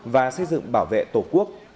và xây dựng bảo vệ tổ quốc